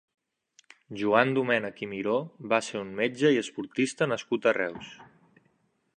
Joan Domènech Miró va ser un metge i esportista nascut a Reus.